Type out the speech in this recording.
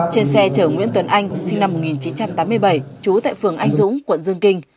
trên xe chở nguyễn tuấn anh sinh năm một nghìn chín trăm tám mươi bảy trú tại phường anh dũng quận dương kinh